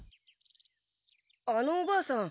あのおばあさん